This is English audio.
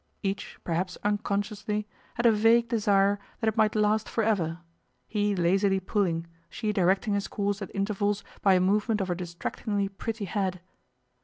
Each, perhaps unconsciously, had a vague desire that it might last for ever, he lazily pulling, she directing his course at intervals by a movement of her distractingly pretty head.